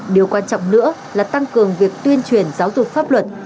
điều quan trọng nữa là tăng cường việc tuyên truyền giáo dục pháp luật